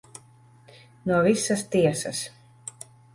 No visas tiesas.